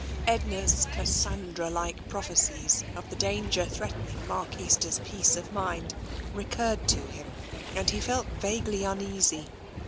Edna's Cassandra like prophecies of the danger threatening Mark Easter's peace of mind recurred to him, and he felt vaguely uneasy.